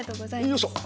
よいしょ。